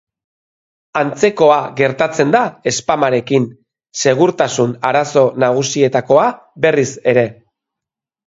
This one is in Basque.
Antzekoa gertatzen da spamarekin, segurtasun arazo nagusietakoa berriz ere.